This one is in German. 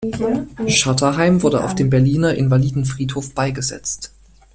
Stutterheim wurde auf dem Berliner Invalidenfriedhof beigesetzt.